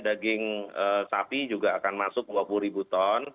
daging sapi juga akan masuk dua puluh ribu ton